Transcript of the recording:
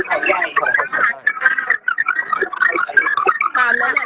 จะมาหาอีกรอบ